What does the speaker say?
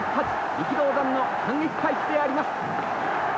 力道山の反撃開始であります。